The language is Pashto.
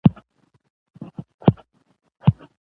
ازادي راډیو د عدالت ستونزې راپور کړي.